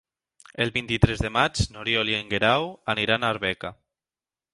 El vint-i-tres de maig n'Oriol i en Guerau aniran a Arbeca.